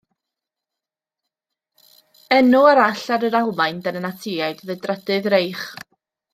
Enw arall ar yr Almaen dan y Natsïaid oedd y Drydedd Reich.